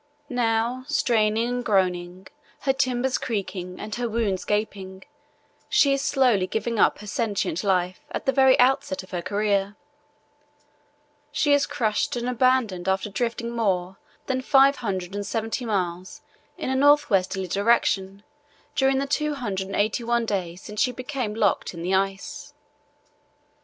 Now, straining and groaning, her timbers cracking and her wounds gaping, she is slowly giving up her sentient life at the very outset of her career. She is crushed and abandoned after drifting more than 570 miles in a north westerly direction during the 281 days since she became locked in the ice.